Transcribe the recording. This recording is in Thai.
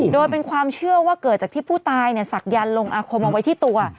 โดยเป็นความเชื่อว่าเกิดจากที่ผู้ตายศักยันต์ลงอาคมเอาไว้ที่ตัว